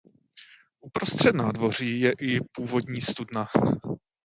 Uprostřed nádvoří je i původní studna.